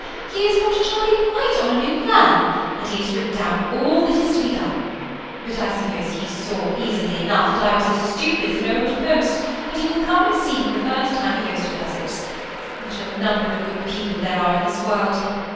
He has put Charlie quite on a new plan, and he has written down all that is to be done; but I suppose he saw, easily enough, that I was as stupid as an old post, and he will come and see him the first time he goes to Pleasance. What a number of good people there are in this world!